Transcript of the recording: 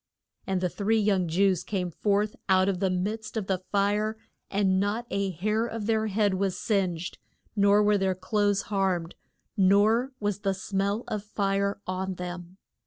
] And the three young Jews came forth out of the midst of the fire, and not a hair of their head was singed, nor were their clothes harmed, nor was the smell of fire on them.